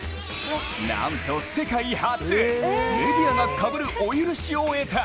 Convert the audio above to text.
なんと世界初、メディアがかぶるお許しを得た。